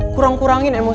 kurang kurangin emosi lo